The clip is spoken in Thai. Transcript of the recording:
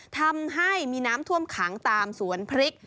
ทำให้มีน้ำท่วมขังตามสวนพริก